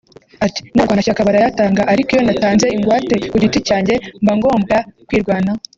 Ati “N’abarwanashyaka barayatanga ariko iyo natanze ingwate ku giti cyanjye mba ngombwa kwirwanaho